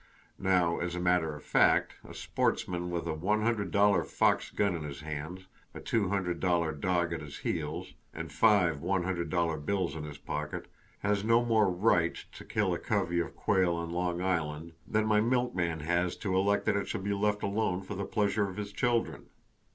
Now, as a matter of fact, a sportsman with a one hundred dollar Fox gun in his hands, a two hundred dollar dog at his heels and five one hundred dollar bills in his pocket has no more "right" to kill a covey of quail on Long Island than my milkman has to elect that it shall be let alone for the pleasure of his children!